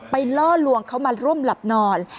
ล่อลวงเขามาร่วมหลับนอน